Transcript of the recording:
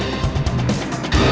lo sudah bisa berhenti